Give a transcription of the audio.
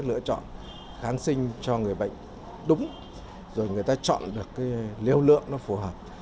lựa chọn kháng sinh cho người bệnh đúng rồi người ta chọn được cái lưu lượng nó phù hợp